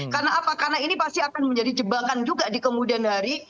karena apa karena ini pasti akan menjadi jebakan juga di kemudian hari